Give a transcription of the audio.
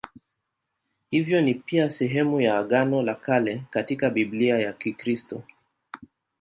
Hivyo ni pia sehemu ya Agano la Kale katika Biblia ya Kikristo.